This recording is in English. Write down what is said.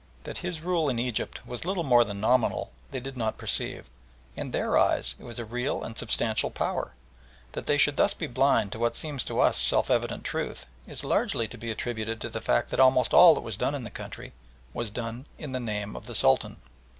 That his rule in Egypt was little more than nominal they did not perceive. In their eyes it was a real and substantial power. That they should thus be blind to what seems to us self evident truth, is largely to be attributed to the fact that almost all that was done in the country, was done in the name of the Sultan.